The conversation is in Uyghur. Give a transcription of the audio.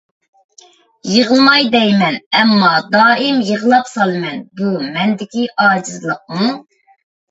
يىغلىماي دەيمەن، ئەمما دائىم يىغلاپ سالىمەن. بۇ مەندىكى ئاجىزلىقمۇ؟